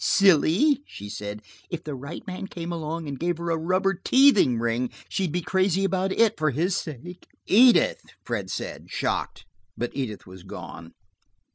"Silly," she said. "If the right man came along and gave her a rubber teething ring, she'd be crazy about it for his sake." "Edith!" Fred said, shocked. But Edith had gone.